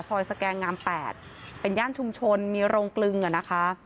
สแกงงาม๘เป็นย่านชุมชนมีโรงกลึงอ่ะนะคะ